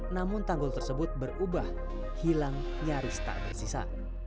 namun tanggul tersebut berubah hilang nyaris tak bersisa